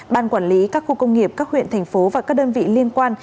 ban quản lý các khu công nghiệp các huyện thành phố và các đơn vị liên quan